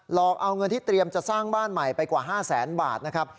หลอกเอาเงินที่เตรียมจะสร้างบ้านใหม่ไปกว่า๕แสนบาทนะครับ